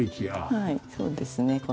はいそうですね。